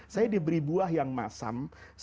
saya diberi buah yang masam